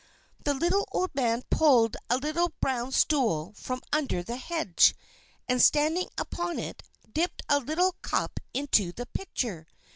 The little old man pulled a little brown stool from under the hedge, and, standing upon it, dipped a little cup into the pitcher.